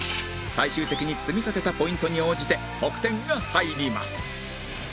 最終的に積み立てたポイントに応じて得点が入ります